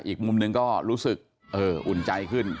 อีกมุมหนึ่งก็รู้สึกอุ่นใจขึ้น